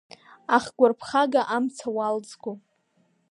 Ахгәарԥхага, амца уалзго.